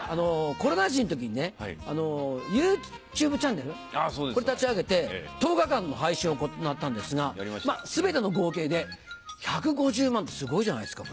コロナの時にねＹｏｕＴｕｂｅチャンネルこれ立ち上げて１０日間の配信を行ったんですが全ての合計で１５０万ってすごいじゃないですか。